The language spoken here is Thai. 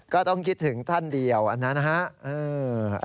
ก็ต้องคิดถึงท่านเดียวอันนั้นนะฮะ